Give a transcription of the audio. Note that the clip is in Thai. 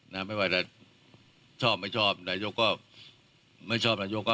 นั้นแม้ว่ายังชอบหรือไม่ชอบนายโย้งก็ไม่ชอบนายโย้งก็